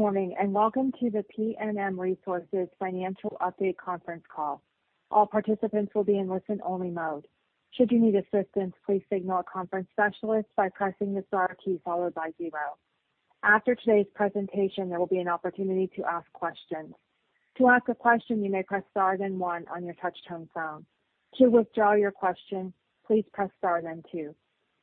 Good morning, and welcome to the PNM Resources Financial Update conference call. All participants will be in listen-only mode. Should you need assistance, please signal a conference specialist by pressing the star key followed by zero. After today's presentation, there will be an opportunity to ask questions. To ask a question, you may press Star then one on your touch-tone phone. To withdraw your question, please press Star then two.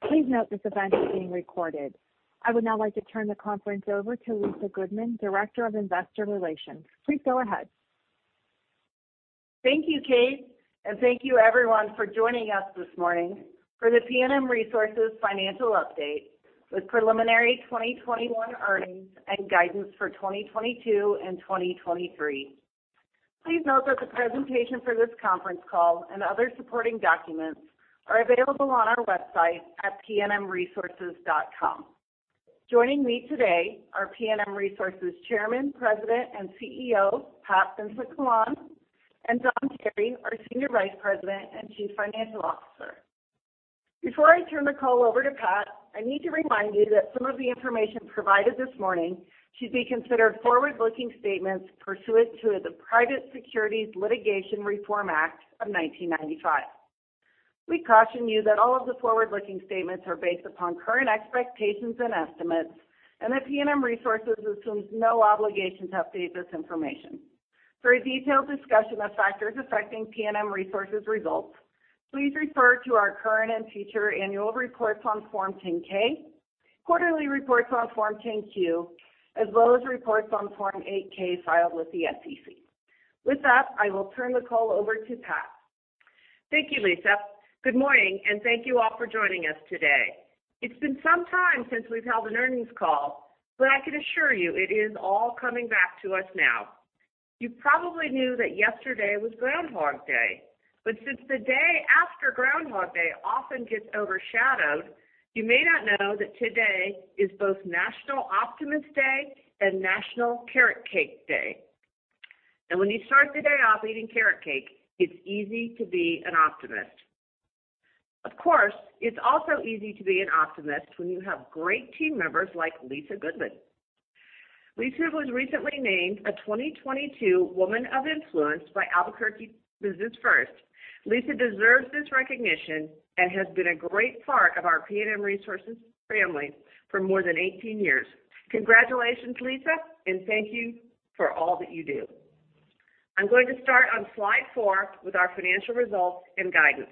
Please note this event is being recorded. I would now like to turn the conference over to Lisa Goodman, Director of Investor Relations. Please go ahead. Thank you, Kate, and thank you everyone for joining us this morning for the PNM Resources financial update with preliminary 2021 earnings and guidance for 2022 and 2023. Please note that the presentation for this conference call and other supporting documents are available on our website at pnmresources.com. Joining me today are PNM Resources Chairman, President, and CEO, Pat Vincent-Collawn, and Don Tarry, our Senior Vice President and Chief Financial Officer. Before I turn the call over to Pat, I need to remind you that some of the information provided this morning should be considered forward-looking statements pursuant to the Private Securities Litigation Reform Act of 1995. We caution you that all of the forward-looking statements are based upon current expectations and estimates and that PNM Resources assumes no obligation to update this information. For a detailed discussion of factors affecting PNM Resources results, please refer to our current and future annual reports on Form 10-K, quarterly reports on Form 10-Q, as well as reports on Form 8-K filed with the SEC. With that, I will turn the call over to Pat. Thank you, Lisa. Good morning, and thank you all for joining us today. It's been some time since we've held an earnings call, but I can assure you it is all coming back to us now. You probably knew that yesterday was Groundhog Day, but since the day after Groundhog Day often gets overshadowed, you may not know that today is both National Optimist Day and National Carrot Cake Day. When you start the day off eating carrot cake, it's easy to be an optimist. Of course, it's also easy to be an optimist when you have great team members like Lisa Goodman. Lisa was recently named a 2022 Woman of Influence by Albuquerque Business First. Lisa deserves this recognition and has been a great part of our PNM Resources family for more than 18 years. Congratulations, Lisa, and thank you for all that you do. I'm going to start on Slide 4 with our financial results and guidance.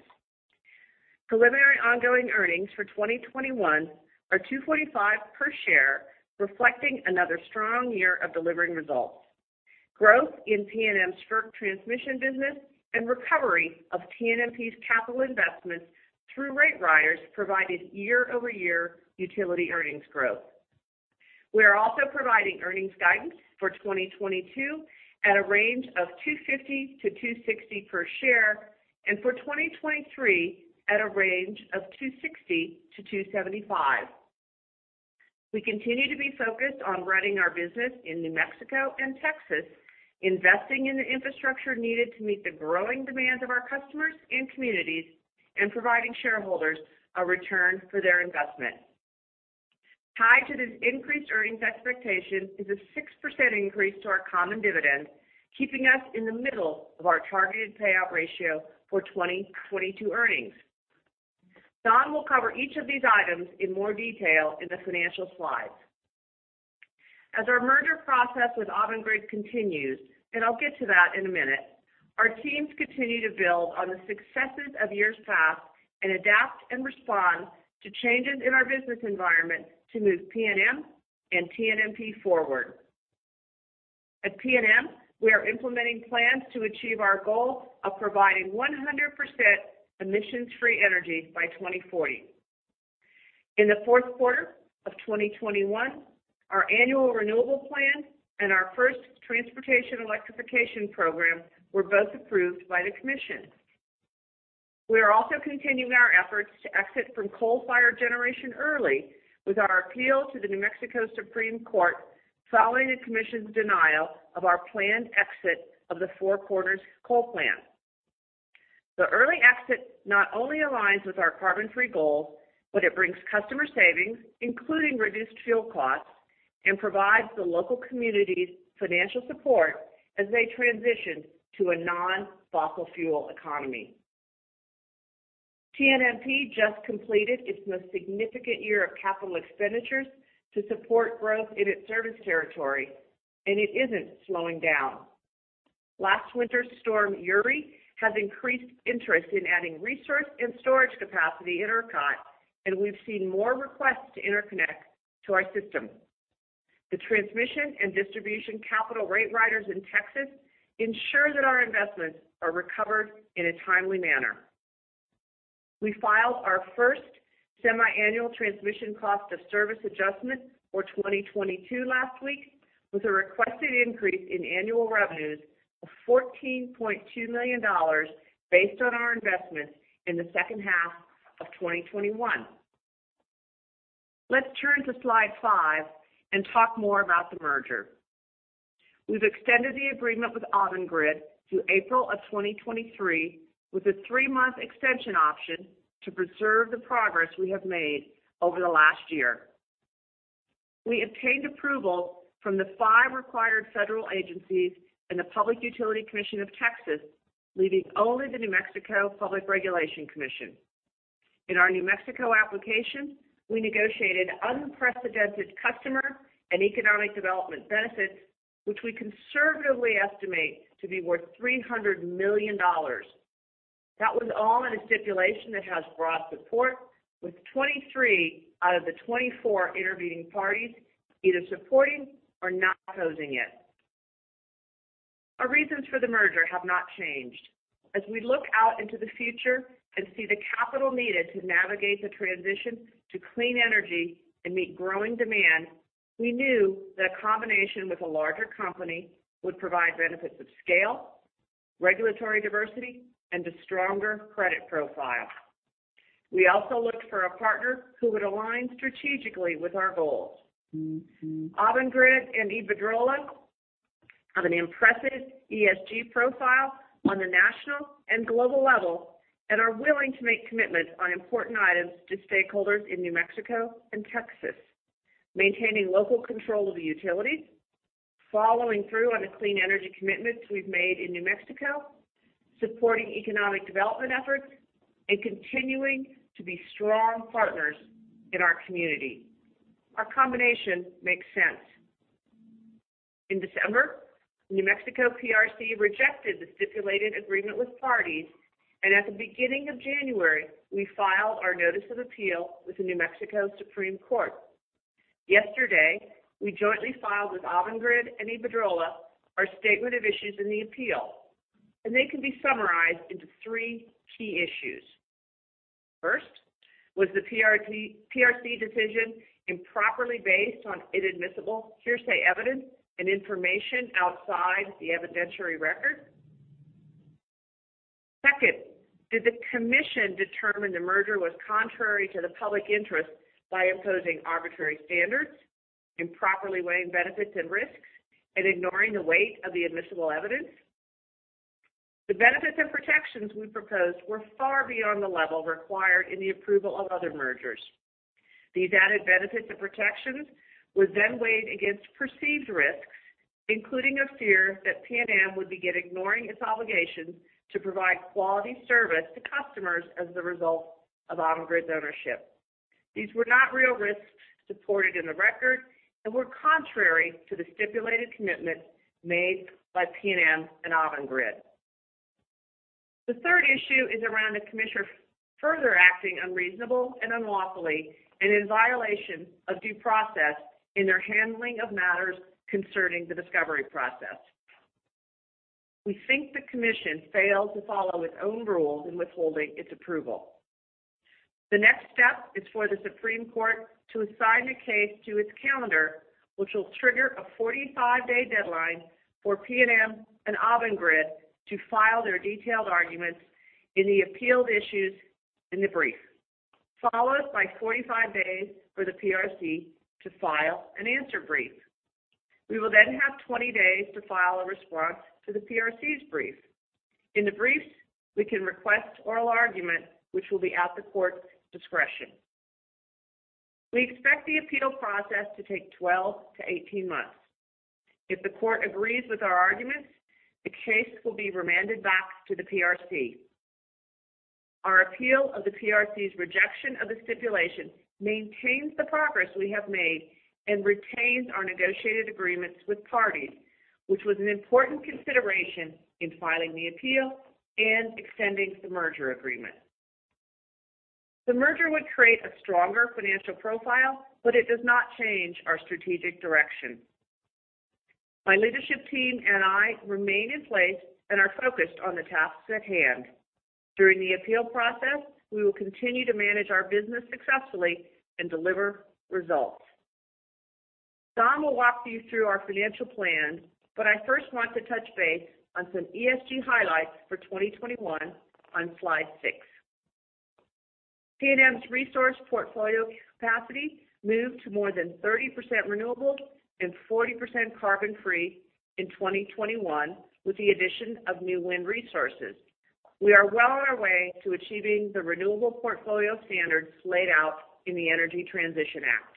Preliminary ongoing earnings for 2021 are $2.45 per share, reflecting another strong year of delivering results. Growth in PNM's transmission business and recovery of TNMP's capital investments through rate riders provided year-over-year utility earnings growth. We are also providing earnings guidance for 2022 at a range of $2.50-$2.60 per share, and for 2023 at a range of $2.60-$2.75. We continue to be focused on running our business in New Mexico and Texas, investing in the infrastructure needed to meet the growing demands of our customers and communities, and providing shareholders a return for their investment. Tied to this increased earnings expectation is a 6% increase to our common dividend, keeping us in the middle of our targeted payout ratio for 2022 earnings. Don will cover each of these items in more detail in the financial slides. As our merger process with Avangrid continues, and I'll get to that in a minute, our teams continue to build on the successes of years past and adapt and respond to changes in our business environment to move PNM and TNMP forward. At PNM, we are implementing plans to achieve our goal of providing 100% emissions-free energy by 2040. In the fourth quarter of 2021, our annual renewable plan and our first transportation electrification program were both approved by the commission. We are also continuing our efforts to exit from coal-fired generation early with our appeal to the New Mexico Supreme Court following the commission's denial of our planned exit of the Four Corners coal plant. The early exit not only aligns with our carbon-free goals, but it brings customer savings, including reduced fuel costs, and provides the local communities financial support as they transition to a non-fossil fuel economy. PNM just completed its most significant year of capital expenditures to support growth in its service territory, and it isn't slowing down. Last winter, Winter Storm Uri has increased interest in adding resource and storage capacity in ERCOT, and we've seen more requests to interconnect to our system. The transmission and distribution capital rate riders in Texas ensure that our investments are recovered in a timely manner. We filed our first semi-annual Transmission Cost of Service adjustment for 2022 last week with a requested increase in annual revenues of $14.2 million based on our investments in the second half of 2021. Let's turn to Slide 5 and talk more about the merger. We've extended the agreement with Avangrid through April 2023, with a three month extension option to preserve the progress we have made over the last year. We obtained approval from the five required federal agencies and the Public Utility Commission of Texas, leaving only the New Mexico Public Regulation Commission. In our New Mexico application, we negotiated unprecedented customer and economic development benefits, which we conservatively estimate to be worth $300 million. That was all in a stipulation that has broad support, with 23 out of the 24 intervening parties either supporting or not opposing it. Our reasons for the merger have not changed. As we look out into the future and see the capital needed to navigate the transition to clean energy and meet growing demand, we knew that a combination with a larger company would provide benefits of scale, regulatory diversity, and a stronger credit profile. We also looked for a partner who would align strategically with our goals. Avangrid and Iberdrola have an impressive ESG profile on the national and global level and are willing to make commitments on important items to stakeholders in New Mexico and Texas, maintaining local control of the utility, following through on the clean energy commitments we've made in New Mexico, supporting economic development efforts, and continuing to be strong partners in our community. Our combination makes sense. In December, New Mexico PRC rejected the stipulated agreement with parties, and at the beginning of January, we filed our notice of appeal with the New Mexico Supreme Court. Yesterday, we jointly filed with Avangrid and Iberdrola our statement of issues in the appeal, and they can be summarized into three key issues. First, was the PRC decision improperly based on inadmissible hearsay evidence and information outside the evidentiary record? Second, did the commission determine the merger was contrary to the public interest by imposing arbitrary standards, improperly weighing benefits and risks, and ignoring the weight of the admissible evidence? The benefits and protections we proposed were far beyond the level required in the approval of other mergers. These added benefits and protections were then weighed against perceived risks, including a fear that PNM would begin ignoring its obligations to provide quality service to customers as a result of Avangrid's ownership. These were not real risks supported in the record and were contrary to the stipulated commitments made by PNM and Avangrid. The third issue is around the Commission further acting unreasonably and unlawfully and in violation of due process in their handling of matters concerning the discovery process. We think the Commission failed to follow its own rules in withholding its approval. The next step is for the Supreme Court to assign the case to its calendar, which will trigger a 45 day deadline for PNM and Avangrid to file their detailed arguments in the appealed issues in the brief, followed by 45 days for the PRC to file an answer brief. We will then have 20 days to file a response to the PRC's brief. In the briefs, we can request oral argument, which will be at the court's discretion. We expect the appeal process to take 12 montnhs-18 months. If the court agrees with our arguments, the case will be remanded back to the PRC. Our appeal of the PRC's rejection of the stipulation maintains the progress we have made and retains our negotiated agreements with parties, which was an important consideration in filing the appeal and extending the merger agreement. The merger would create a stronger financial profile, but it does not change our strategic direction. My leadership team and I remain in place and are focused on the tasks at hand. During the appeal process, we will continue to manage our business successfully and deliver results. Don will walk you through our financial plan, but I first want to touch base on some ESG highlights for 2021 on Slide 6. PNM's resource portfolio capacity moved to more than 30% renewable and 40% carbon-free in 2021 with the addition of new wind resources. We are well on our way to achieving the renewable portfolio standards laid out in the Energy Transition Act.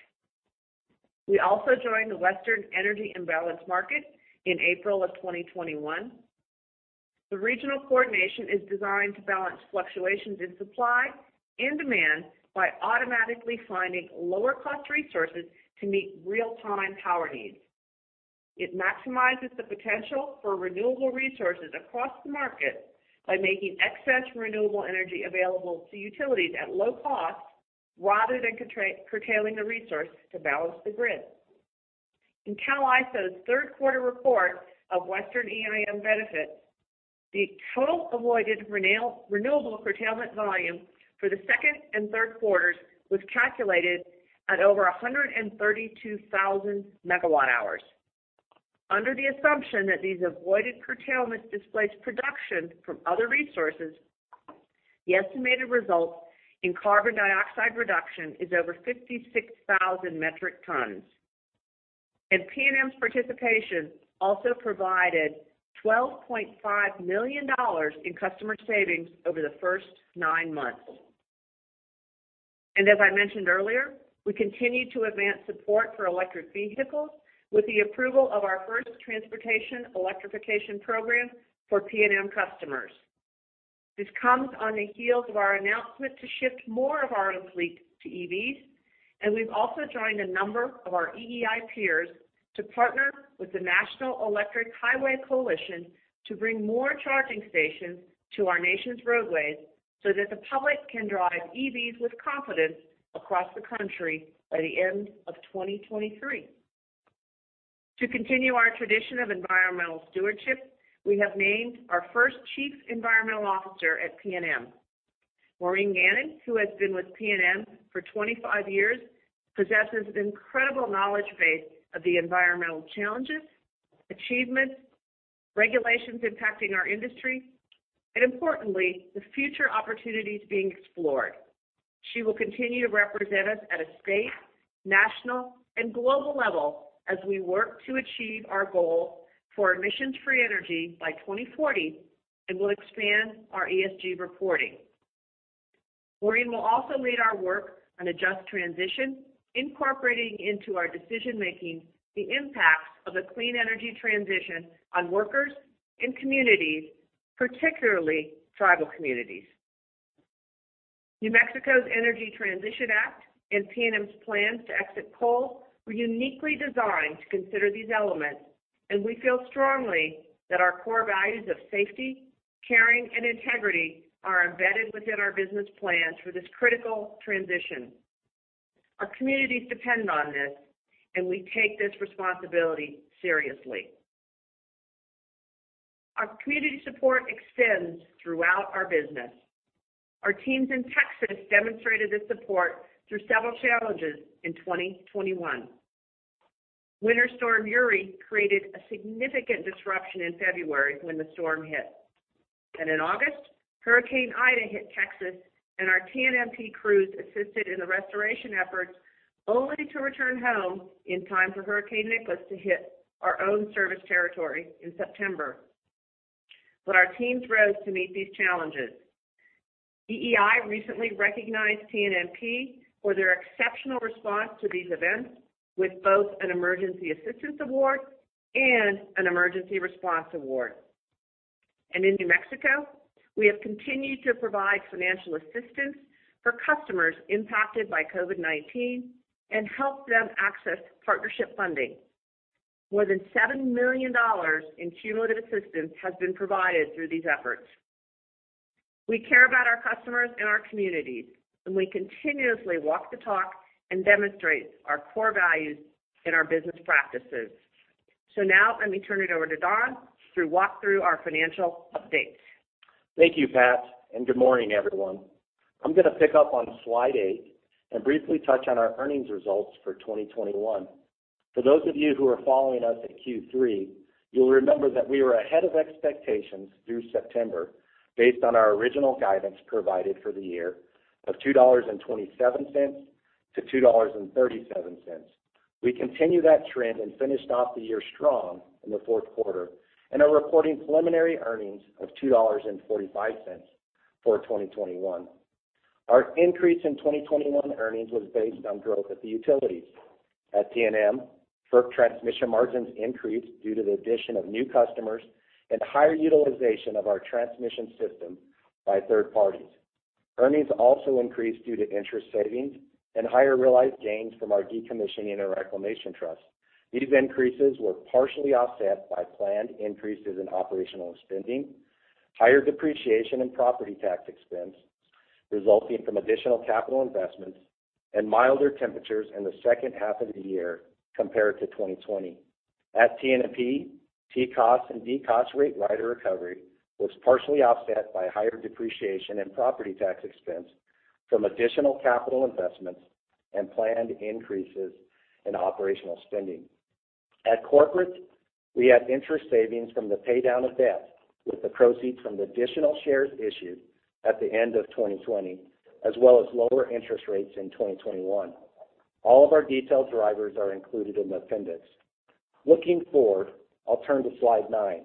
We also joined the Western Energy Imbalance Market in April 2021. The regional coordination is designed to balance fluctuations in supply and demand by automatically finding lower-cost resources to meet real-time power needs. It maximizes the potential for renewable resources across the market by making excess renewable energy available to utilities at low cost rather than curtailing the resource to balance the grid. In CAISO's third quarter report of Western EIM benefits, the total avoided renewable curtailment volume for the second and third quarters was calculated at over 132,000 megawatt hours. Under the assumption that these avoided curtailments displaced production from other resources, the estimated results in carbon dioxide reduction is over 56,000 metric tons. PNM's participation also provided $12.5 million in customer savings over the first 9 months. As I mentioned earlier, we continue to advance support for electric vehicles with the approval of our first transportation electrification program for PNM customers. This comes on the heels of our announcement to shift more of our own fleet to EVs, and we've also joined a number of our EEI peers to partner with the National Electric Highway Coalition to bring more charging stations to our nation's roadways so that the public can drive EVs with confidence across the country by the end of 2023. To continue our tradition of environmental stewardship, we have named our first Chief Environmental Officer at PNM. Maureen Gannon, who has been with PNM for 25 years, possesses an incredible knowledge base of the environmental challenges, achievements, regulations impacting our industry, and importantly, the future opportunities being explored. She will continue to represent us at a state, national, and global level as we work to achieve our goal for emissions-free energy by 2040 and will expand our ESG reporting. Maureen will also lead our work on a just transition, incorporating into our decision-making the impacts of the clean energy transition on workers and communities, particularly tribal communities. New Mexico's Energy Transition Act and PNM's plans to exit coal were uniquely designed to consider these elements, and we feel strongly that our core values of safety, caring, and integrity are embedded within our business plans for this critical transition. Our communities depend on this, and we take this responsibility seriously. Our community support extends throughout our business. Our teams in Texas demonstrated this support through several challenges in 2021. Winter Storm Uri created a significant disruption in February when the storm hit. In August, Hurricane Ida hit Texas and our PNM crews assisted in the restoration efforts only to return home in time for Hurricane Nicholas to hit our own service territory in September. Our teams rose to meet these challenges. EEI recently recognized PNM for their exceptional response to these events with both an Emergency Assistance Award and an Emergency Response Award. In New Mexico, we have continued to provide financial assistance for customers impacted by COVID-19 and helped them access partnership funding. More than $7 million in cumulative assistance has been provided through these efforts. We care about our customers and our communities, and we continuously walk the talk and demonstrate our core values in our business practices. Now let me turn it over to Don to walk through our financial updates. Thank you, Pat, and good morning, everyone. I'm going to pick up on Slide 8 and briefly touch on our earnings results for 2021. For those of you who are following us at Q3, you'll remember that we were ahead of expectations through September based on our original guidance provided for the year of $2.27-$2.37. We continued that trend and finished off the year strong in the fourth quarter and are reporting preliminary earnings of $2.45 for 2021. Our increase in 2021 earnings was based on growth at the utilities. At TNMP, FERC transmission margins increased due to the addition of new customers and higher utilization of our transmission system by third parties. Earnings also increased due to interest savings and higher realized gains from our decommissioning and reclamation trust. These increases were partially offset by planned increases in operational spending, higher depreciation and property tax expense resulting from additional capital investments, and milder temperatures in the second half of the year compared to 2020. At TNP, TCOS and DCOs rate rider recovery was partially offset by higher depreciation and property tax expense from additional capital investments and planned increases in operational spending. At corporate, we had interest savings from the paydown of debt with the proceeds from the additional shares issued at the end of 2020 as well as lower interest rates in 2021. All of our detailed drivers are included in the appendix. Looking forward, I'll turn to Slide 9.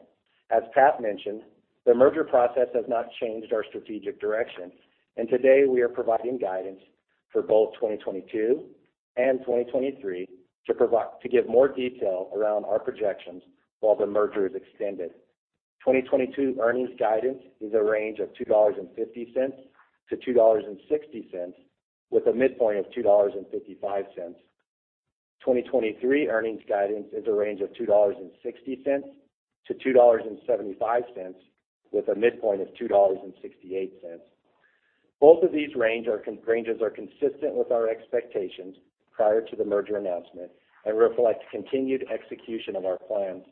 As Pat mentioned, the merger process has not changed our strategic direction, and today we are providing guidance for both 2022 and 2023 to give more detail around our projections while the merger is extended. 2022 earnings guidance is a range of $2.50-$2.60 with a midpoint of $2.55. 2023 earnings guidance is a range of $2.60-$2.75 with a midpoint of $2.68. Both of these ranges are consistent with our expectations prior to the merger announcement and reflect continued execution of our plans.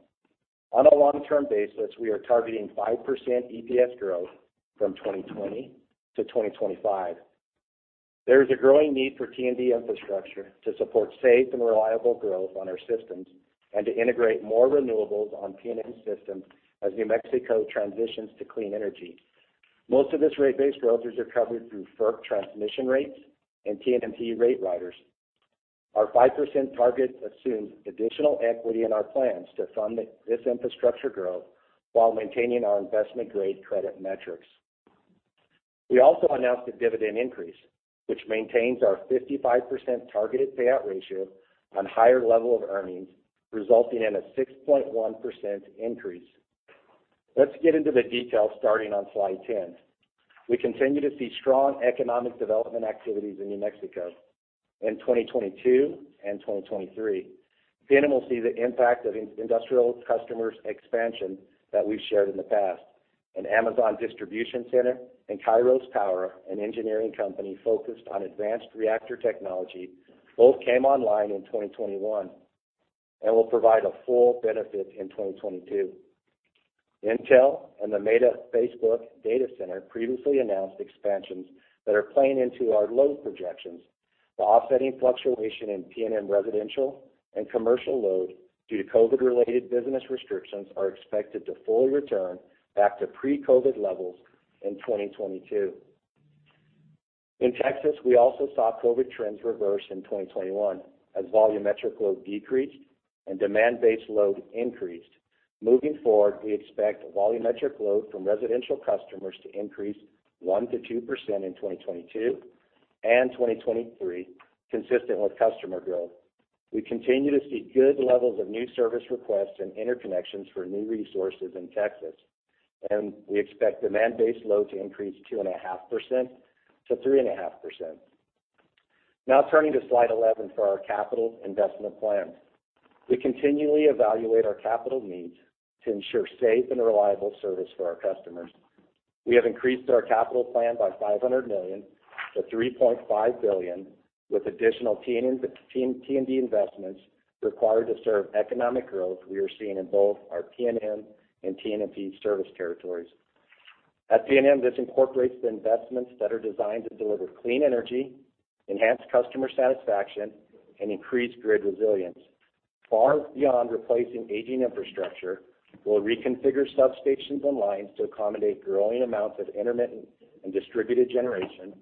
On a long-term basis, we are targeting 5% EPS growth from 2020 to 2025. There is a growing need for T&D infrastructure to support safe and reliable growth on our systems and to integrate more renewables on PNM systems as New Mexico transitions to clean energy. Most of this rate-based growth is recovered through FERC transmission rates and TNMP rate riders. Our 5% target assumes additional equity in our plans to fund this infrastructure growth while maintaining our investment-grade credit metrics. We also announced a dividend increase, which maintains our 55% targeted payout ratio on higher level of earnings, resulting in a 6.1% increase. Let's get into the details starting on Slide 10. We continue to see strong economic development activities in New Mexico in 2022 and 2023. PNM will see the impact of industrial customers expansion that we've shared in the past. An Amazon distribution center and Kairos Power, an engineering company focused on advanced reactor technology, both came online in 2021 and will provide a full benefit in 2022. Intel and the Meta Facebook data center previously announced expansions that are playing into our load projections, while offsetting fluctuation in PNM residential and commercial load due to COVID-related business restrictions are expected to fully return back to pre-COVID levels in 2022. In Texas, we also saw COVID trends reverse in 2021 as volumetric load decreased and demand-based load increased. Moving forward, we expect volumetric load from residential customers to increase 1%-2% in 2022 and 2023, consistent with customer growth. We continue to see good levels of new service requests and interconnections for new resources in Texas, and we expect demand-based load to increase 2.5% to 3.5%. Now turning to Slide 11 for our capital investment plan. We continually evaluate our capital needs to ensure safe and reliable service for our customers. We have increased our capital plan by $500 million to $3.5 billion with additional T&D investments required to serve economic growth we are seeing in both our PNM and TNMP service territories. At PNM, this incorporates the investments that are designed to deliver clean energy, enhance customer satisfaction, and increase grid resilience. Far beyond replacing aging infrastructure, we'll reconfigure substations and lines to accommodate growing amounts of intermittent and distributed generation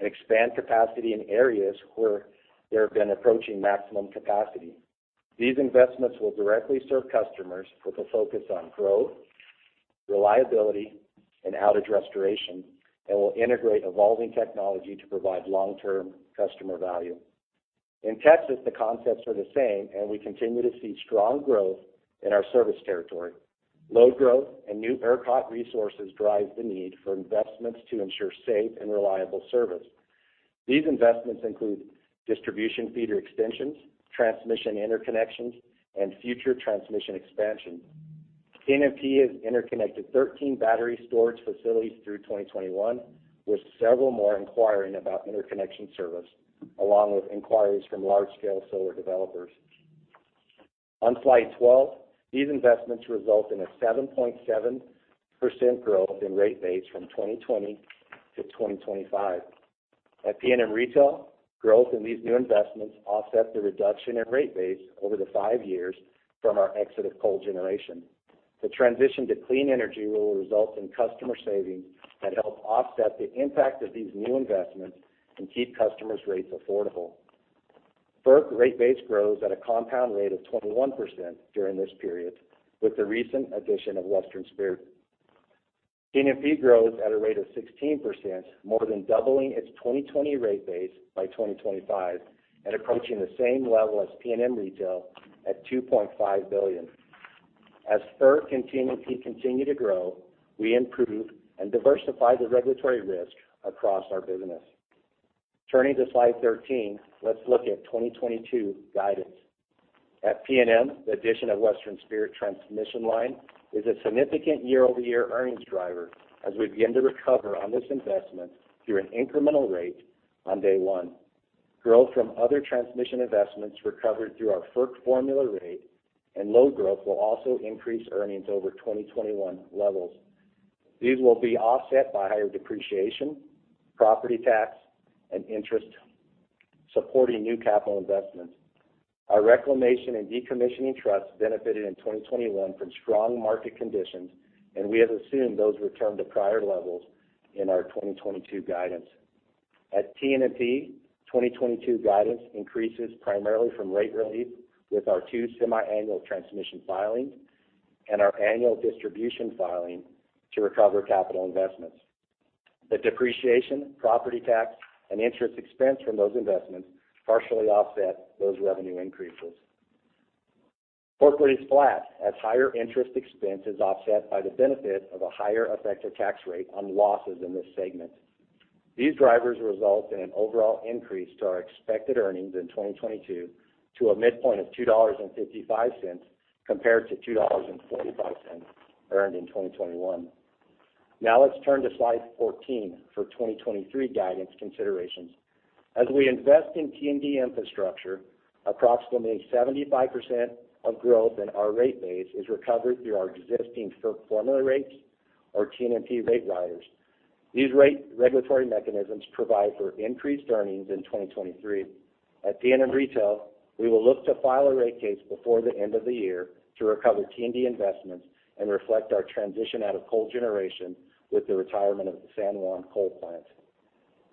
and expand capacity in areas where they have been approaching maximum capacity. These investments will directly serve customers with a focus on growth, reliability, and outage restoration, and will integrate evolving technology to provide long-term customer value. In Texas, the concepts are the same, and we continue to see strong growth in our service territory. Load growth and new ERCOT resources drive the need for investments to ensure safe and reliable service. These investments include distribution feeder extensions, transmission interconnections, and future transmission expansion. TNMP has interconnected 13 battery storage facilities through 2021, with several more inquiring about interconnection service, along with inquiries from large-scale solar developers. On Slide 12, these investments result in a 7.7% growth in rate base from 2020 to 2025. At PNM Retail, growth in these new investments offset the reduction in rate base over the five years from our exit of coal generation. The transition to clean energy will result in customer savings that help offset the impact of these new investments and keep customers' rates affordable. FERC rate base grows at a compound rate of 21% during this period, with the recent addition of Western Spirit. TNMP grows at a rate of 16%, more than doubling its 2020 rate base by 2025 and approaching the same level as PNM Retail at $2.5 billion. As FERC and TNMP continue to grow, we improve and diversify the regulatory risk across our business. Turning to Slide 13, let's look at 2022 guidance. At PNM, the addition of Western Spirit Transmission Line is a significant year-over-year earnings driver as we begin to recover on this investment through an incremental rate on day one. Growth from other transmission investments recovered through our FERC formula rate and load growth will also increase earnings over 2021 levels. These will be offset by higher depreciation, property tax, and interest supporting new capital investments. Our reclamation and decommissioning trust benefited in 2021 from strong market conditions, and we have assumed those return to prior levels in our 2022 guidance. At TNMP, 2022 guidance increases primarily from rate relief with our 2 semi-annual transmission filings and our annual distribution filing to recover capital investments. The depreciation, property tax, and interest expense from those investments partially offset those revenue increases. Corporate is flat as higher interest expense is offset by the benefit of a higher effective tax rate on losses in this segment. These drivers result in an overall increase to our expected earnings in 2022 to a midpoint of $2.55 compared to $2.45 earned in 2021. Now let's turn to Slide 14 for 2023 guidance considerations. As we invest in T&D infrastructure, approximately 75% of growth in our rate base is recovered through our existing FERC formula rates or TNMP rate riders. These rate regulatory mechanisms provide for increased earnings in 2023. At TNMP Retail, we will look to file a rate case before the end of the year to recover T&D investments and reflect our transition out of coal generation with the retirement of the San Juan coal plant.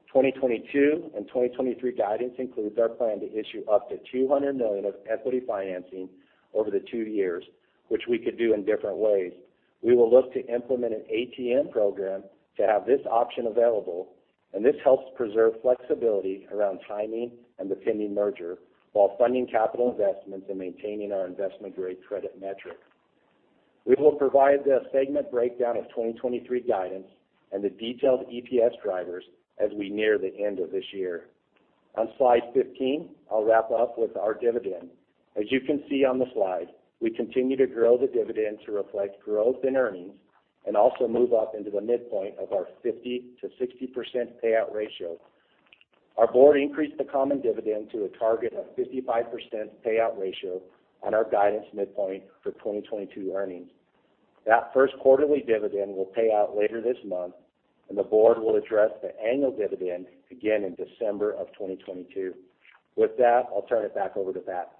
2022 and 2023 guidance includes our plan to issue up to $200 million of equity financing over the two years, which we could do in different ways. We will look to implement an ATM program to have this option available, and this helps preserve flexibility around timing and the pending merger while funding capital investments and maintaining our investment-grade credit metric. We will provide the segment breakdown of 2023 guidance and the detailed EPS drivers as we near the end of this year. On Slide 15, I'll wrap up with our dividend. As you can see on the slide, we continue to grow the dividend to reflect growth in earnings and also move up into the midpoint of our 50%-60% payout ratio. Our board increased the common dividend to a target of 55% payout ratio on our guidance midpoint for 2022 earnings. That first quarterly dividend will pay out later this month, and the board will address the annual dividend again in December 2022. With that, I'll turn it back over to Pat.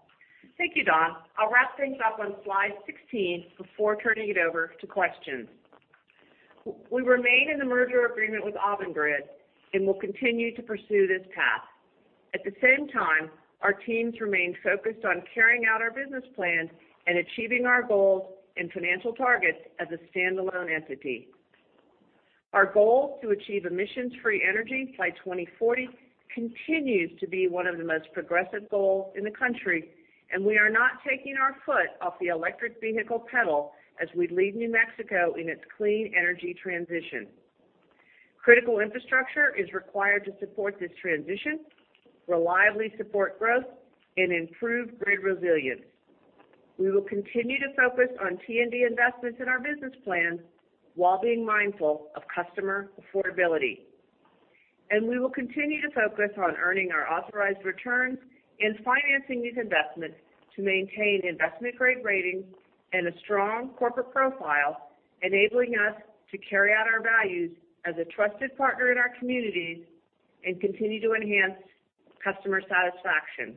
Thank you, Don. I'll wrap things up on Slide 16 before turning it over to questions. We remain in the merger agreement with Avangrid, and we'll continue to pursue this path. At the same time, our teams remain focused on carrying out our business plan and achieving our goals and financial targets as a standalone entity. Our goal to achieve emissions-free energy by 2040 continues to be one of the most progressive goals in the country, and we are not taking our foot off the electric vehicle pedal as we lead New Mexico in its clean energy transition. Critical infrastructure is required to support this transition, reliably support growth, and improve grid resilience. We will continue to focus on T&D investments in our business plan while being mindful of customer affordability. We will continue to focus on earning our authorized returns and financing these investments to maintain investment-grade ratings and a strong corporate profile, enabling us to carry out our values as a trusted partner in our communities and continue to enhance customer satisfaction.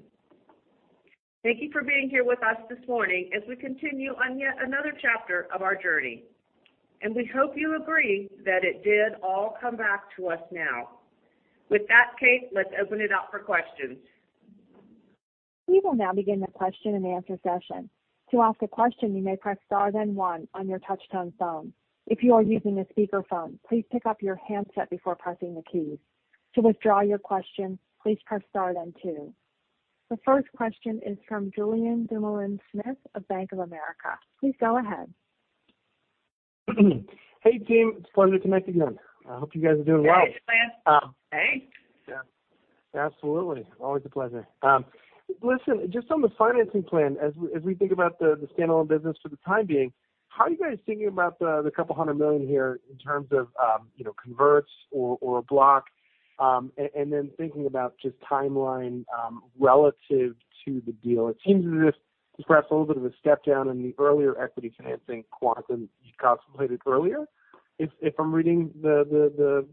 Thank you for being here with us this morning as we continue on yet another chapter of our journey. We hope you agree that it did all come back to us now. With that, Kate, let's open it up for questions. We will now begin the question-and-answer session. To ask a question, you may press Star then one on your touch-tone phone. If you are using a speakerphone, please pick up your handset before pressing the keys. To withdraw your question, please press Star then two. The first question is from Julien Dumoulin-Smith of Bank of America. Please go ahead. Hey, team. It's a pleasure to connect again. I hope you guys are doing well. Hey, Julien. Thanks. Yeah. Absolutely. Always a pleasure. Listen, just on the financing plan, as we think about the standalone business for the time being, how are you guys thinking about the $200 million here in terms of, you know, converts or a block, and then thinking about just timeline relative to the deal? It seems as if perhaps a little bit of a step down in the earlier equity financing quantum you contemplated earlier, if I'm reading the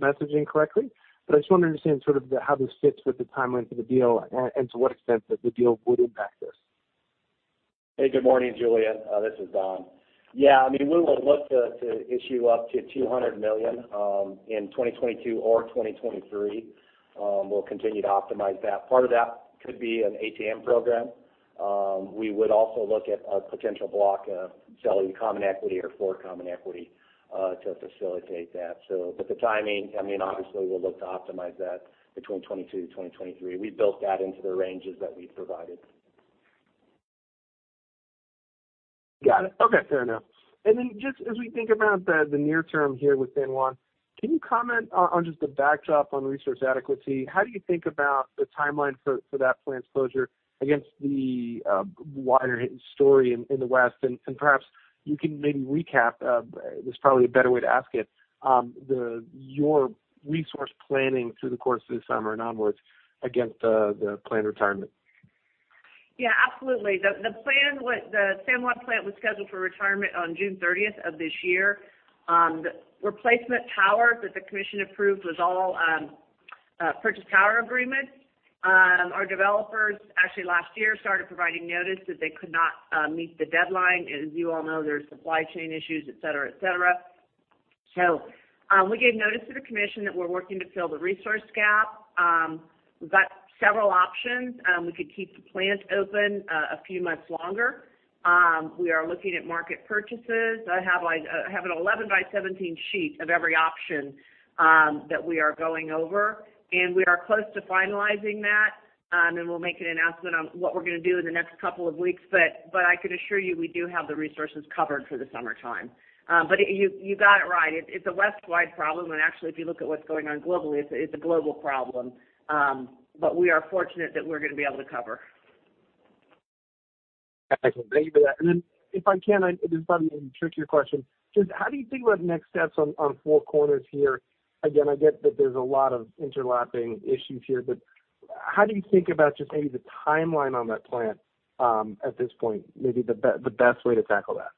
messaging correctly. I just want to understand sort of how this fits with the timeline for the deal and to what extent the deal would impact this. Hey, good morning, Julien. This is Don. Yeah, I mean, we will look to issue up to $200 million in 2022 or 2023. We'll continue to optimize that. Part of that could be an ATM program. We would also look at a potential block of selling common equity or for common equity to facilitate that. The timing, I mean, obviously, we'll look to optimize that between 2022, 2023. We built that into the ranges that we provided. Got it. Okay. Fair enough. Just as we think about the near term here with San Juan, can you comment on just the backdrop on resource adequacy? How do you think about the timeline for that plant's closure against the wider hidden story in the West? Perhaps you can maybe recap. There's probably a better way to ask it, your resource planning through the course of this summer and onwards against the planned retirement. Yeah, absolutely. The plan was the San Juan plant was scheduled for retirement on June 30 of this year. The replacement power that the commission approved was all power purchase agreement. Our developers actually last year started providing notice that they could not meet the deadline. As you all know, there's supply chain issues, et cetera, et cetera. We gave notice to the commission that we're working to fill the resource gap. We've got several options. We could keep the plant open a few months longer. We are looking at market purchases. I have like I have an 11 by 17 sheet of every option that we are going over, and we are close to finalizing that, and we'll make an announcement on what we're gonna do in the next couple of weeks. I can assure you we do have the resources covered for the summertime. You got it right. It's a West-wide problem, when actually if you look at what's going on globally, it's a global problem. We are fortunate that we're gonna be able to cover. Excellent. Thank you for that. If I can, it is probably a trickier question. Just how do you think about next steps on Four Corners here? Again, I get that there's a lot of overlapping issues here. How do you think about just maybe the timeline on that plan, at this point, maybe the best way to tackle that?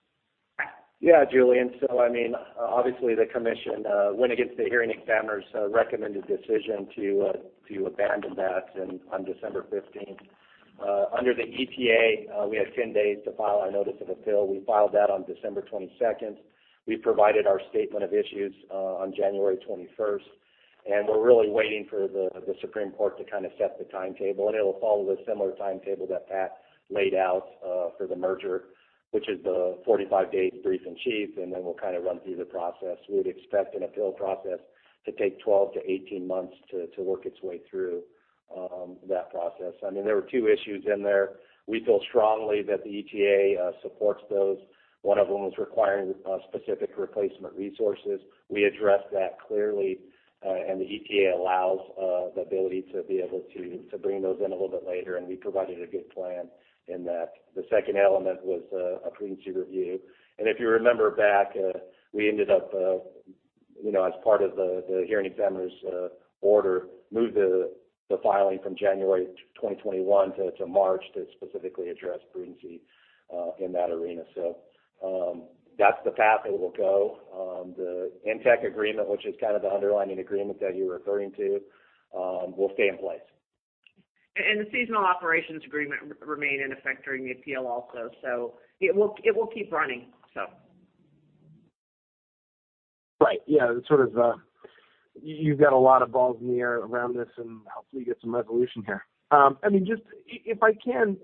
Yeah, Julien. I mean, obviously, the commission went against the hearing examiner's recommended decision to abandon that on December 15. Under the ETA, we had 10 days to file our notice of appeal. We filed that on December 22. We provided our statement of issues on January 21. We're really waiting for the Supreme Court to kind of set the timetable, and it'll follow a similar timetable that Pat laid out for the merger, which is the 45 days brief-in-chief, and then we'll kind of run through the process. We'd expect an appeal process to take 12 months-18 months to work its way through that process. I mean, there were two issues in there. We feel strongly that the ETA supports those. One of them was requiring specific replacement resources. We addressed that clearly, and the ETA allows the ability to be able to bring those in a little bit later, and we provided a good plan in that. The second element was a prudency review. If you remember back, we ended up, you know, as part of the hearing examiner's order, moved the filing from January 2021 to March to specifically address prudency in that arena. That's the path that we'll go. The NTEC agreement, which is kind of the underlying agreement that you're referring to, will stay in place. The seasonal operations agreement remain in effect during the appeal also. It will keep running. Right. Yeah. Sort of, you've got a lot of balls in the air around this, and hopefully you get some resolution here. I mean, just if I can,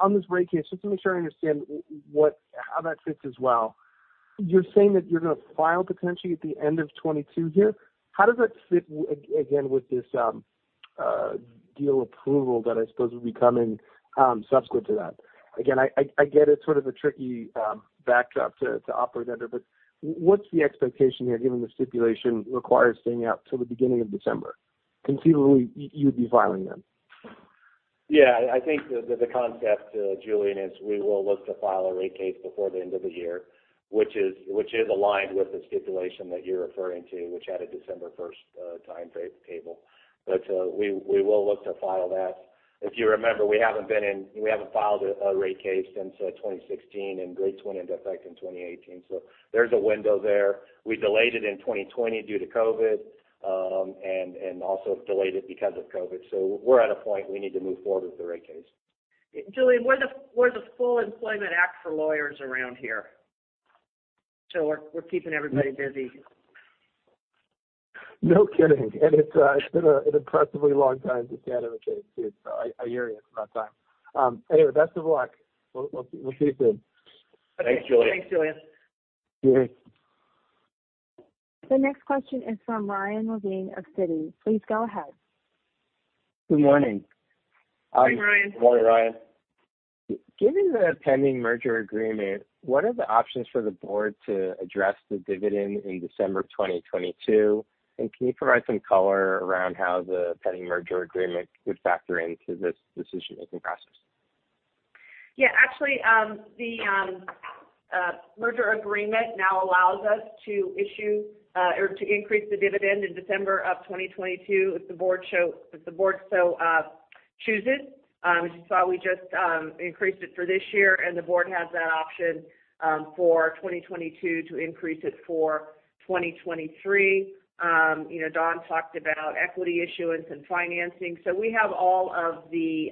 on this rate case, just to make sure I understand how that fits as well. You're saying that you're gonna file potentially at the end of 2022 here. How does that fit again, with this deal approval that I suppose would be coming, subsequent to that? Again, I get it's sort of a tricky backdrop to operate under, but what's the expectation here, given the stipulation requires staying out till the beginning of December? Conceivably, you'd be filing then. Yeah. I think the concept, Julien, is we will look to file a rate case before the end of the year, which is aligned with the stipulation that you're referring to, which had a December 1 timeframe table. We will look to file that. If you remember, we haven't filed a rate case since 2016, and rates went into effect in 2018. There's a window there. We delayed it in 2020 due to COVID, and also delayed it because of COVID. We're at a point we need to move forward with the rate case. Julien, we're the full employment act for lawyers around here. We're keeping everybody busy. No kidding. It's been an impressively long time since we had a rate case here, so I hear you. It's about time. Anyway, best of luck. We'll see you soon. Thanks, Julien. Thanks, Julien. See you. The next question is from Ryan Levine of Citi. Please go ahead. Good morning. Good morning, Ryan. Morning, Ryan. Given the pending merger agreement, what are the options for the board to address the dividend in December 2022? Can you provide some color around how the pending merger agreement would factor into this decision-making process? Yeah, actually, the merger agreement now allows us to issue or to increase the dividend in December of 2022 if the board so chooses. Which is why we just increased it for this year, and the board has that option for 2022 to increase it for 2023. You know, Don talked about equity issuance and financing. We have all of the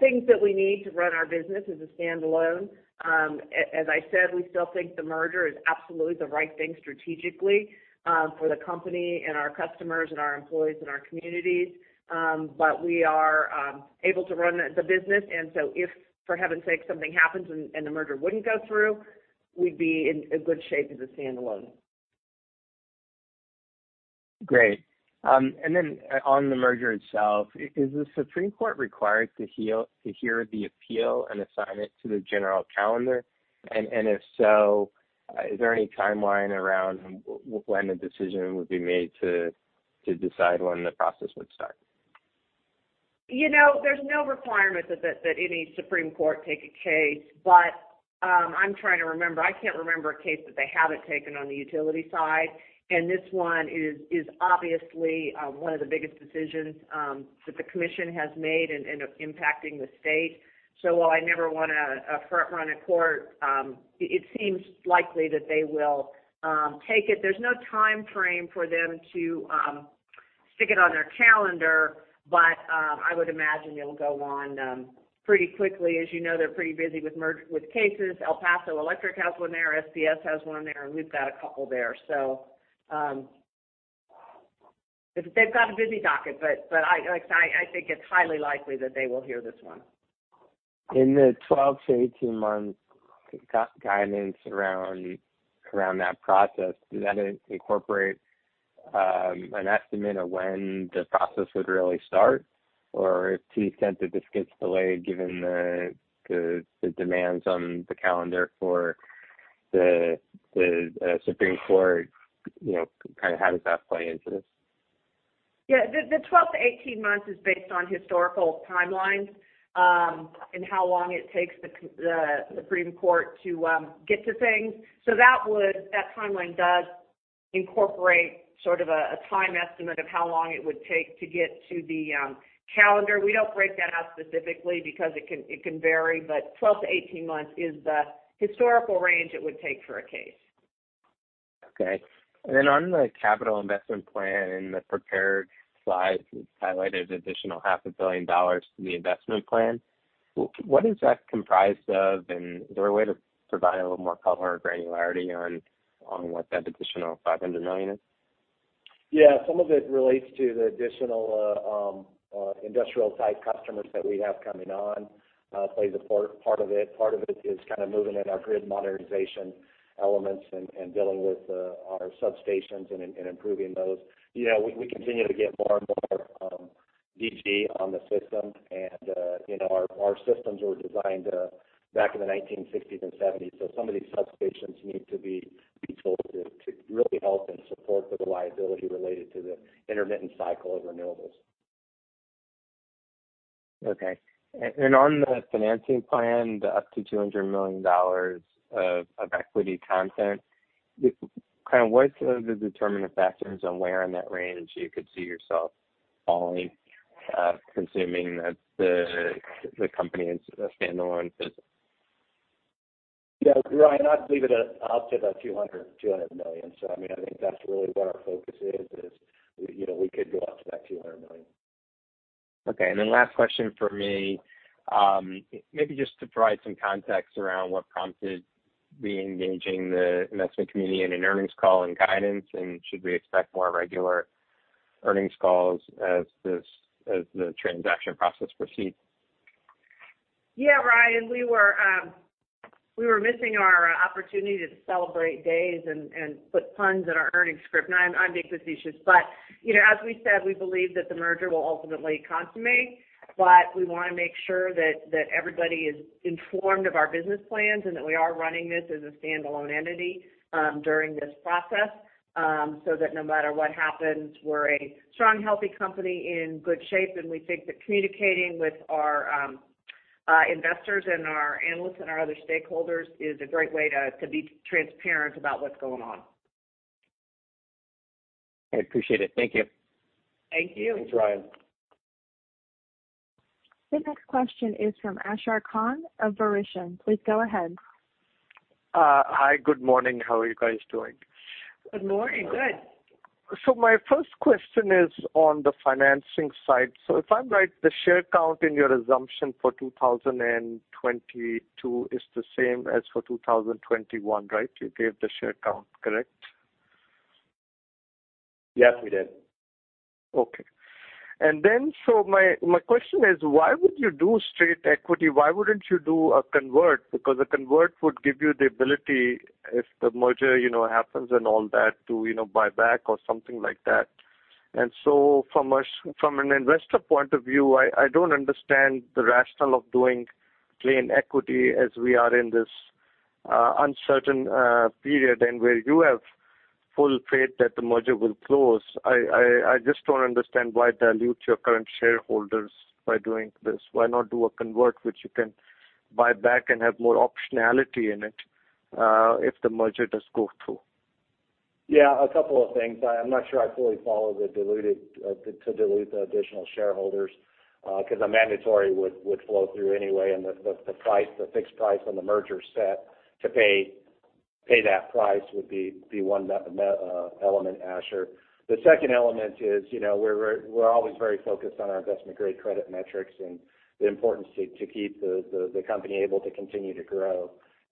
things that we need to run our business as a standalone. As I said, we still think the merger is absolutely the right thing strategically for the company and our customers and our employees and our communities. We are able to run the business. If, for heaven's sake, something happens and the merger wouldn't go through, we'd be in good shape as a standalone. Great. On the merger itself, is the Supreme Court required to hear the appeal and assign it to the general calendar? If so, is there any timeline around when the decision would be made to decide when the process would start? You know, there's no requirement that any Supreme Court take a case. I'm trying to remember. I can't remember a case that they haven't taken on the utility side. This one is obviously one of the biggest decisions that the commission has made in impacting the state. While I never wanna front run a court, it seems likely that they will take it. There's no timeframe for them to stick it on their calendar, but I would imagine it'll go on pretty quickly. As you know, they're pretty busy with cases. El Paso Electric has one there, SPS has one there, and we've got a couple there. They've got a busy docket, but like I think it's highly likely that they will hear this one. In the 12 months-18 month guidance around that process, does that incorporate an estimate of when the process would really start? Or to the extent that this gets delayed, given the demands on the calendar for the Supreme Court, you know, kind of how does that play into this? Yeah. The 12 months-18 months is based on historical timelines and how long it takes the Supreme Court to get to things. That timeline does incorporate sort of a time estimate of how long it would take to get to the calendar. We don't break that out specifically because it can vary, but 12 months-18 months is the historical range it would take for a case. Okay. On the capital investment plan, in the prepared slides, it highlighted additional half a billion dollars to the investment plan. What is that comprised of, and is there a way to provide a little more color or granularity on what that additional $500 million is? Yeah. Some of it relates to the additional industrial type customers that we have coming on, part of it. Part of it is kind of moving in our grid modernization elements and dealing with our substations and improving those. You know, we continue to get more and more DG on the system and, you know, our systems were designed back in the 1960s and 1970s, so some of these substations need to be retooled to really help and support the reliability related to the intermittent cycle of renewables. Okay. On the financing plan, the up to $200 million of equity content, kind of what are the determining factors on where in that range you could see yourself falling, consuming the company as a standalone business? Yeah, Ryan, I'd leave it at up to $200 million. I mean, I think that's really what our focus is, you know, we could go up to that $200 million. Okay. Last question from me. Maybe just to provide some context around what prompted reengaging the investment community in an earnings call and guidance, and should we expect more regular earnings calls as the transaction process proceeds? Yeah, Ryan, we were missing our opportunity to celebrate days and put puns in our earnings script. No, I'm being facetious. You know, as we said, we believe that the merger will ultimately consummate, but we wanna make sure that everybody is informed of our business plans and that we are running this as a standalone entity during this process. That no matter what happens, we're a strong, healthy company in good shape, and we think that communicating with our investors and our analysts and our other stakeholders is a great way to be transparent about what's going on. I appreciate it. Thank you. Thank you. Thanks, Ryan. The next question is from Ashar Khan of Verition. Please go ahead. Hi. Good morning. How are you guys doing? Good morning. Good. My first question is on the financing side. If I'm right, the share count in your assumption for 2022 is the same as for 2021, right? You gave the share count, correct? Yes, we did. Okay. My question is, why would you do straight equity? Why wouldn't you do a convert? Because a convert would give you the ability, if the merger, you know, happens and all that, to, you know, buy back or something like that. From an investor point of view, I just don't understand the rationale of doing plain equity as we are in this uncertain period and where you have full faith that the merger will close. I just don't understand why dilute your current shareholders by doing this. Why not do a convert which you can buy back and have more optionality in it, if the merger does go through? Yeah, a couple of things. I'm not sure I fully follow the diluted to dilute the additional shareholders 'cause a mandatory would flow through anyway and the price, the fixed price when the merger set to pay that price would be one merger element, Ashar. The second element is, you know, we're always very focused on our investment-grade credit metrics and the importance to keep the company able to continue to grow.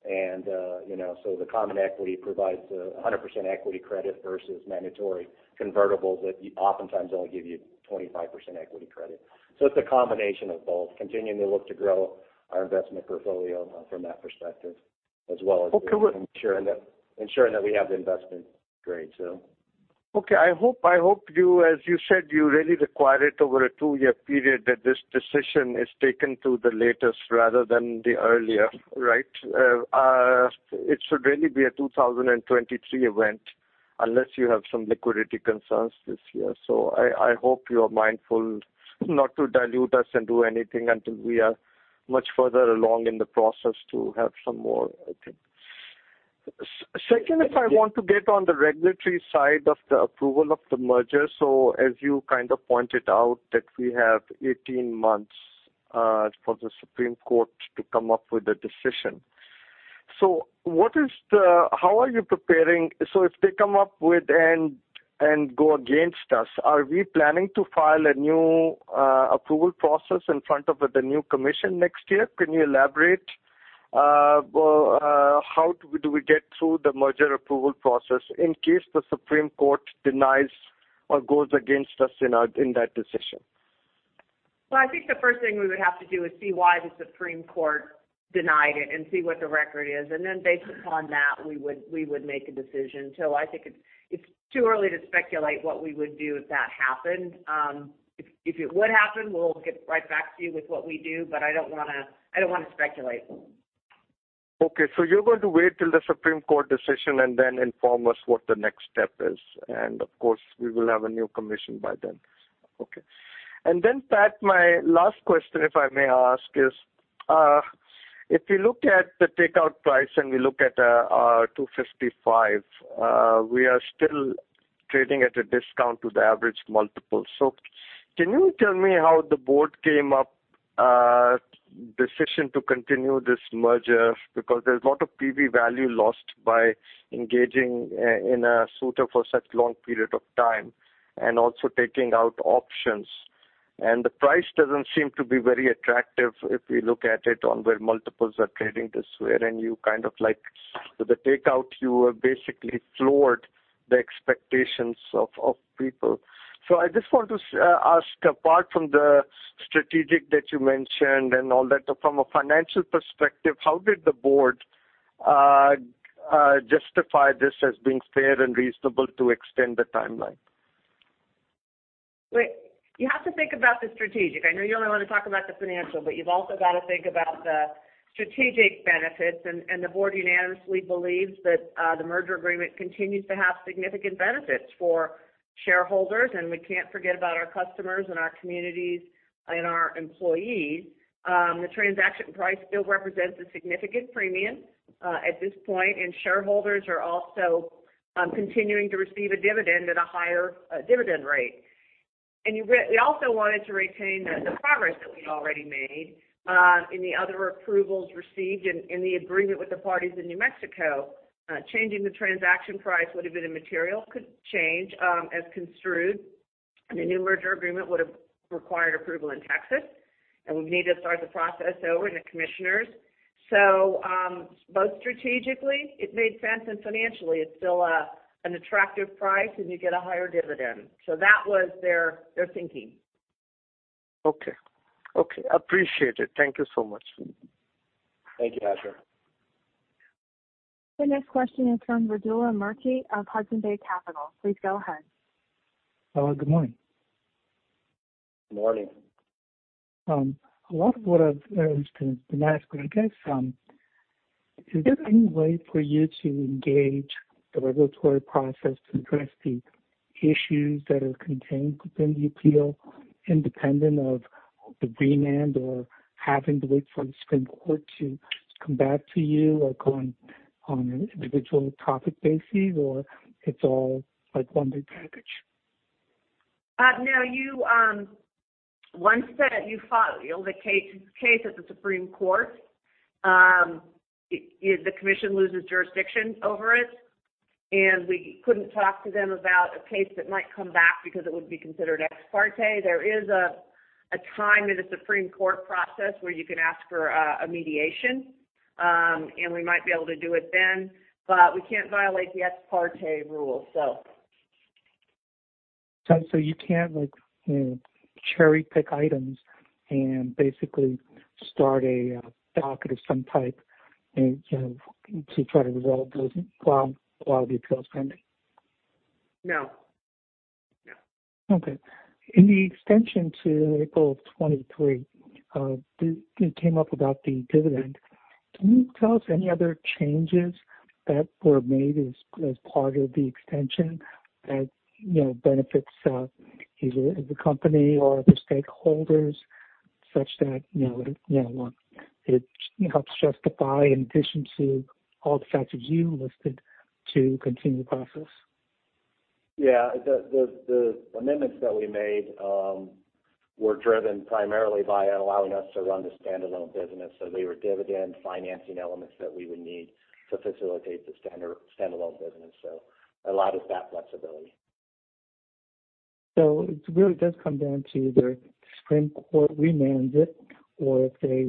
You know, so the common equity provides 100% equity credit versus mandatory convertibles that oftentimes only give you 25% equity credit. So it's a combination of both. Continuing to look to grow our investment portfolio from that perspective, as well as Okay. Ensuring that we have the investment-grade, so. Okay. I hope you, as you said, you really require it over a two year period that this decision is taken to the latest rather than the earlier, right? It should really be a 2023 event unless you have some liquidity concerns this year. I hope you are mindful not to dilute us and do anything until we are much further along in the process to have some more, I think. Second, I want to get on the regulatory side of the approval of the merger, as you kind of pointed out that we have 18 months for the Supreme Court to come up with a decision. How are you preparing? If they come up with and go against us, are we planning to file a new approval process in front of the new commission next year? Can you elaborate how do we get through the merger approval process in case the Supreme Court denies or goes against us in that decision? Well, I think the first thing we would have to do is see why the Supreme Court denied it and see what the record is. Based upon that, we would make a decision. I think it's too early to speculate what we would do if that happened. If it would happen, we'll get right back to you with what we do, but I don't wanna speculate. Okay. You're going to wait till the Supreme Court decision and then inform us what the next step is. Of course, we will have a new commission by then. Okay. Then Pat, my last question, if I may ask, is if you look at the takeout price and we look at $255, we are still trading at a discount to the average multiple. Can you tell me how the board came up decision to continue this merger? Because there's a lot of PV value lost by engaging in a suitor for such long period of time and also taking out options. The price doesn't seem to be very attractive if we look at it on where multiples are trading this year. You kind of like with the takeout, you basically floored the expectations of people. I just want to ask, apart from the strategic that you mentioned and all that, from a financial perspective, how did the board justify this as being fair and reasonable to extend the timeline? Wait, you have to think about the strategic. I know you only want to talk about the financial, but you've also got to think about the strategic benefits. The board unanimously believes that the merger agreement continues to have significant benefits for shareholders, and we can't forget about our customers and our communities and our employees. The transaction price still represents a significant premium at this point, and shareholders are also continuing to receive a dividend at a higher dividend rate. We also wanted to retain the progress that we already made in the other approvals received in the agreement with the parties in New Mexico. Changing the transaction price would have been a material change, as construed, and the new merger agreement would have required approval in Texas, and we'd need to start the process over in the commissioners. Both strategically it made sense and financially it's still an attractive price and you get a higher dividend. That was their thinking. Okay. Okay, appreciate it. Thank you so much. Thank you, Ashar. The next question is from Vedula Murti of Hudson Bay Capital. Please go ahead. Hello, good morning. Good morning. A lot of what I've managed to mask, but I guess, is there any way for you to engage the regulatory process to address the issues that are contained within the appeal, independent of the remand or having to wait for the Supreme Court to come back to you or go on an individual topic basis or it's all like one big package? Now, once you file the case at the Supreme Court, the commission loses jurisdiction over it, and we couldn't talk to them about a case that might come back because it would be considered ex parte. There is a time in the Supreme Court process where you can ask for a mediation, and we might be able to do it then, but we can't violate the ex parte rule. You can't like cherry-pick items and basically start a docket of some type to try to resolve those problems while the appeal is pending? No. Okay. In the extension to April of 2023, you came up about the dividend. Can you tell us any other changes that were made as part of the extension that, you know, benefits either the company or the stakeholders such that, you know, you know what, it helps justify in addition to all the factors you listed to continue the process? Yeah. The amendments that we made were driven primarily by allowing us to run the standalone business. They were dividend financing elements that we would need to facilitate the standalone business. A lot of that flexibility. It really does come down to either New Mexico Supreme Court remands it or if they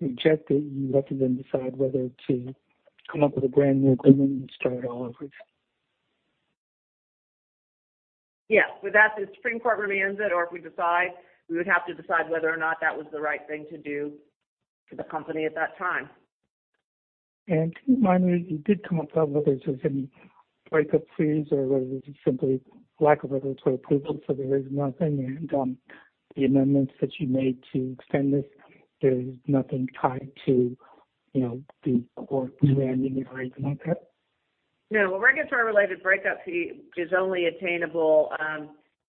reject it, you let them decide whether to come up with a brand new agreement and start all over. Yes. With that, the Supreme Court remands it or if we decide, we would have to decide whether or not that was the right thing to do for the company at that time. My worry, you did come up whether there's any breakup fees or whether it was simply lack of regulatory approval. There is nothing in the amendments that you made to extend this. There is nothing tied to, you know, the court demanding or anything like that? No. Regulatory related breakup fee is only attainable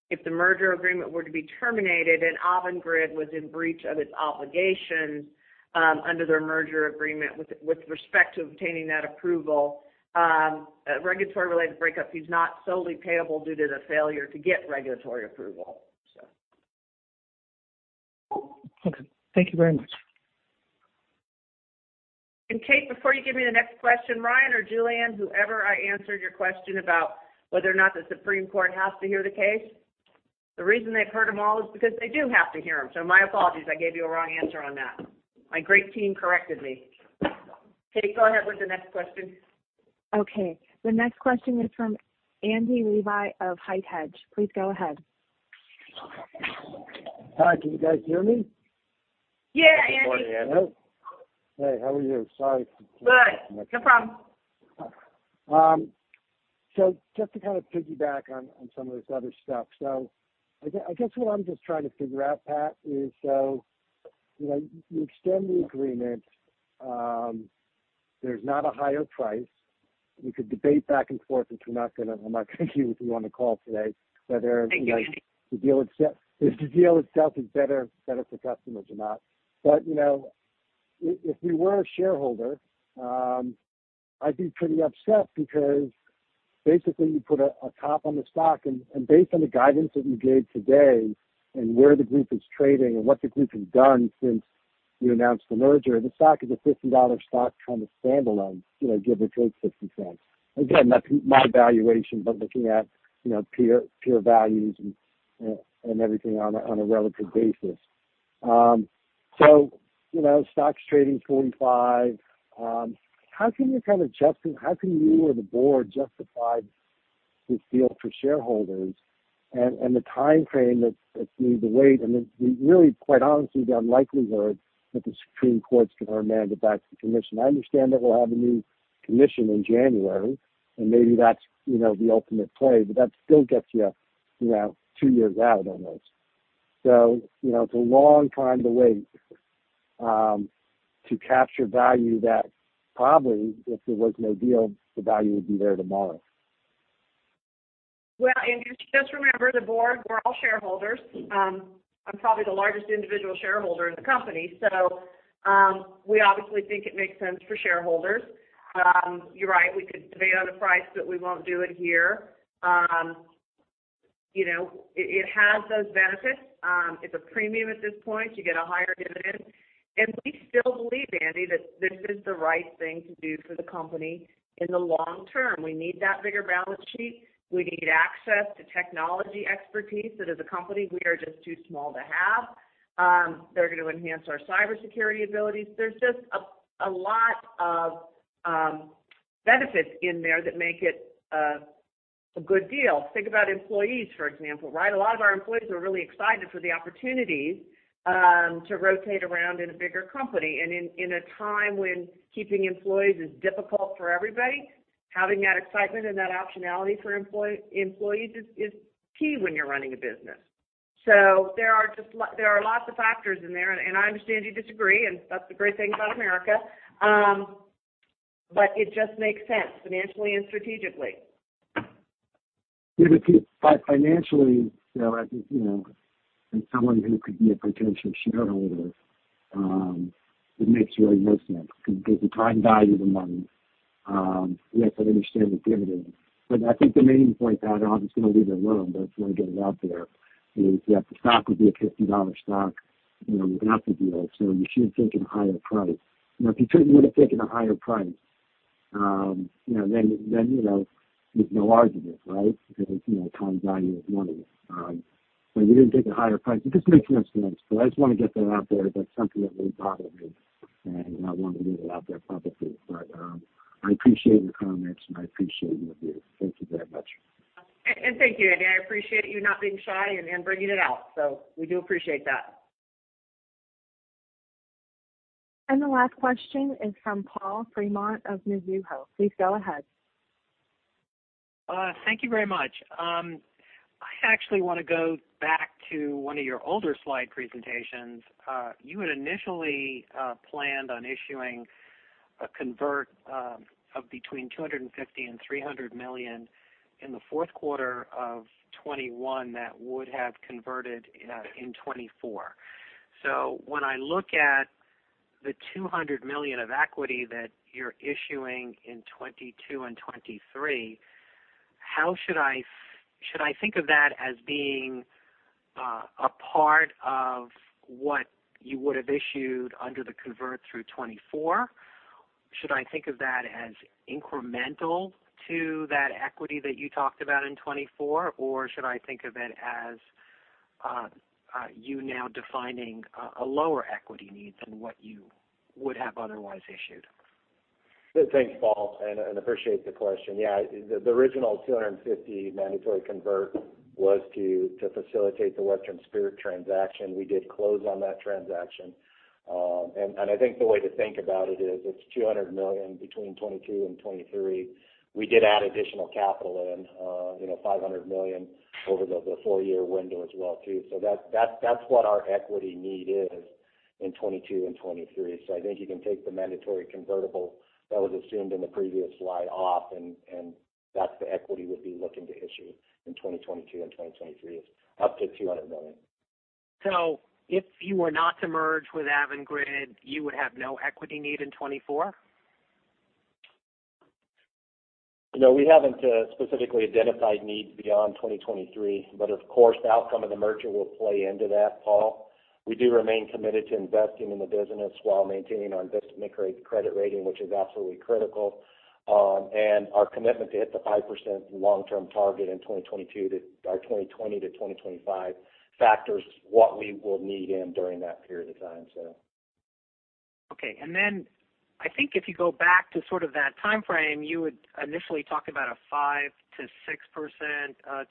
if the merger agreement were to be terminated and Avangrid was in breach of its obligations under their merger agreement with respect to obtaining that approval. Regulatory related breakup fee is not solely payable due to the failure to get reglatory approval. Okay. Thank you very much. Kate, before you give me the next question, Ryan or Julien, whoever I answered your question about whether or not the Supreme Court has to hear the case. The reason they've heard them all is because they do have to hear them. My apologies, I gave you a wrong answer on that. My great team corrected me. Kate, go ahead with the next question. Okay. The next question is from Andrew Levi of HITE Hedge. Please go ahead. Hi, can you guys hear me? Yeah, Andy. Good morning, Andy. Hey, how are you? Good. No problem. Just to kind of piggyback on some of this other stuff. I guess what I'm just trying to figure out, Pat, is so you extend the agreement. There's not a higher price. We could debate back and forth, which we're not gonna do with you on the call today, whether you know the deal itself, if the deal itself is better for customers or not. You know, if we were a shareholder, I'd be pretty upset because basically you put a cap on the stock. And based on the guidance that you gave today and where the group is trading and what the group has done since you announced the merger, the stock is a $50 stock kind of standalone, you know, give or take $0.50. Again, that's my valuation, but looking at you know peer values and everything on a relative basis. You know, stock's trading $25. How can you or the board justify this deal for shareholders and the timeframe that you need to wait? The really, quite honestly, the unlikelihood that the Supreme Court is gonna remand it back to the commission. I understand that we'll have a new commission in January, and maybe that's, you know, the ultimate play, but that still gets you know, 2 years out almost. You know, it's a long time to wait to capture value that probably, if there was no deal, the value would be there tomorrow. Well, Andy, just remember the board, we're all shareholders. I'm probably the largest individual shareholder in the company, so we obviously think it makes sense for shareholders. You're right, we could debate on the price, but we won't do it here. You know, it has those benefits. It's a premium at this point. You get a higher dividend. We still believe, Andy, that this is the right thing to do for the company in the long term. We need that bigger balance sheet. We need access to technology expertise that as a company we are just too small to have. They're gonna enhance our cybersecurity abilities. There's just a lot of benefits in there that make it a good deal. Think about employees, for example, right? A lot of our employees are really excited for the opportunities to rotate around in a bigger company. In a time when keeping employees is difficult for everybody, having that excitement and that optionality for employees is key when you're running a business. There are lots of factors in there, and I understand you disagree, and that's the great thing about America. It just makes sense financially and strategically. Financially, you know, I think, you know, as someone who could be a potential shareholder, it makes really no sense because the time value of the money. Yes, I understand the dividend. I think the main point that I was gonna leave it alone, but I just wanna get it out there is, yeah, the stock would be a $50 stock, you know, without the deal. You should have taken a higher price. You know, if you would've taken a higher price, you know, then, you know, there's no argument, right? Because it's, you know, time value of money. You didn't take a higher price. It just makes no sense. I just wanna get that out there. That's something that really bothered me, and I wanted to get it out there publicly. I appreciate your comments, and I appreciate your view. Thank you very much. Thank you, Andy. I appreciate you not being shy and bringing it out. We do appreciate that. The last question is from Paul Fremont of Mizuho. Please go ahead. Thank you very much. I actually wanna go back to one of your older slide presentations. You had initially planned on issuing a convert of between $250 million and $300 million in the fourth quarter of 2021 that would have converted in 2024. When I look at the $200 million of equity that you're issuing in 2022 and 2023, how should I think of that as being a part of what you would've issued under the convert through 2024? Should I think of that as incremental to that equity that you talked about in 2024? Or should I think of it as you now defining a lower equity need than what you would have otherwise issued? Thanks, Paul, and appreciate the question. Yeah. The original 250 mandatory convertible was to facilitate the Western Spirit transaction. We did close on that transaction. I think the way to think about it is it's $200 million between 2022 and 2023. We did add additional capital in, you know, $500 million over the four year window as well too. That's what our equity need is in 2022 and 2023. I think you can take the mandatory convertible that was assumed in the previous slide off and that's the equity we'll be looking to issue in 2022 and 2023 is up to $200 million. If you were not to merge with Avangrid, you would have no equity need in 2024? No, we haven't specifically identified needs beyond 2023, but of course, the outcome of the merger will play into that, Paul. We do remain committed to investing in the business while maintaining our investment-grade credit rating, which is absolutely critical. Our commitment to hit the 5% long-term target in 2020 to 2025 factors what we will need during that period of time. Okay. Then I think if you go back to sort of that timeframe, you had initially talked about a 5%-6%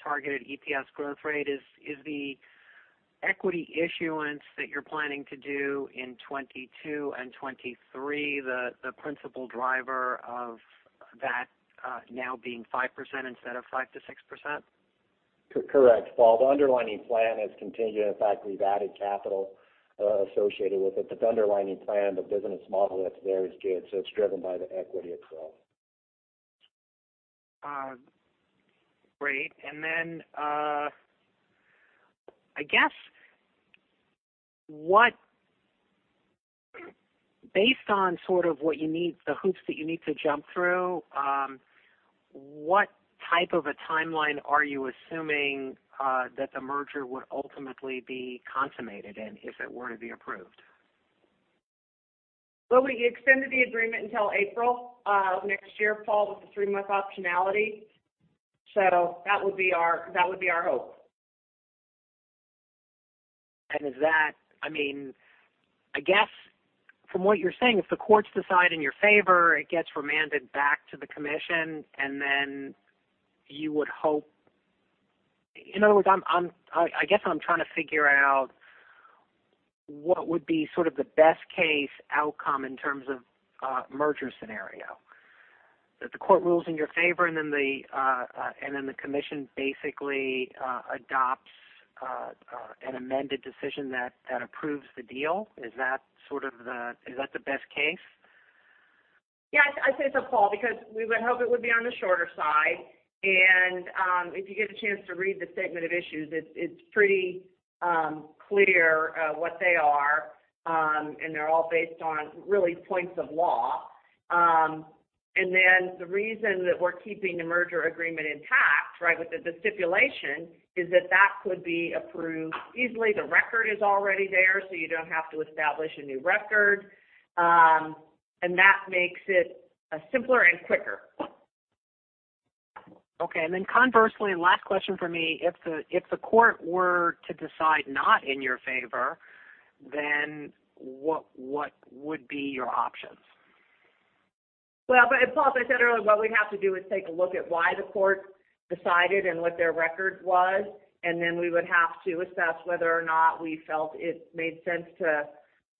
targeted EPS growth rate. Is the equity issuance that you're planning to do in 2022 and 2023 the principal driver of that now being 5% instead of 5%-6%? Correct, Paul. The underlying plan is continuing. In fact, we've added capital associated with it. But the underlying plan, the business model that's there is good, so it's driven by the equity itself. Great. Based on sort of what you need, the hoops that you need to jump through, what type of a timeline are you assuming that the merger would ultimately be consummated in if it were to be approved? Well, we extended the agreement until April of next year, Paul, with the three-month optionality. That would be our hope. I mean, I guess from what you're saying, if the courts decide in your favor, it gets remanded back to the commission and then you would hope. In other words, I guess what I'm trying to figure out what would be sort of the best case outcome in terms of merger scenario. That the court rules in your favor and then the commission basically adopts an amended decision that approves the deal. Is that sort of the best case? Yes. I'd say so, Paul, because we would hope it would be on the shorter side. If you get a chance to read the statement of issues, it's pretty clear what they are. They're all based on really points of law. The reason that we're keeping the merger agreement intact, right, with the stipulation, is that that could be approved easily. The record is already there, so you don't have to establish a new record. That makes it simpler and quicker. Okay. Conversely, last question from me. If the court were to decide not in your favor, then what would be your options? Paul, as I said earlier, what we'd have to do is take a look at why the court decided and what their record was, and then we would have to assess whether or not we felt it made sense to,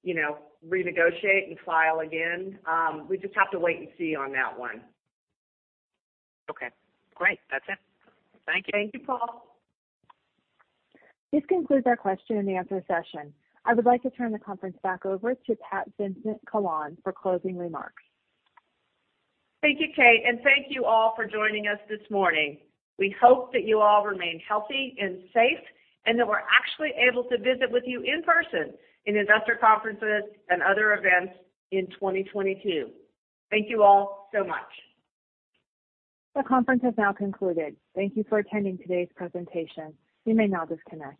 you know, renegotiate and file again. We just have to wait and see on that one. Okay, great. That's it. Thank you. Thank you, Paul. This concludes our question and answer session. I would like to turn the conference back over to Pat Vincent-Collawn for closing remarks. Thank you, Kate, and thank you all for joining us this morning. We hope that you all remain healthy and safe, and that we're actually able to visit with you in person in investor conferences and other events in 2022. Thank you all so much. The conference has now concluded. Thank you for attending today's presentation. You may now disconnect.